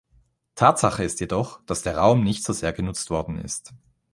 Tatsache ist jedoch, dass der Raum nicht so sehr genutzt worden ist.